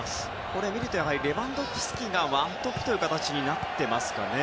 これ見るとレバンドフスキが１トップという形になっていますかね。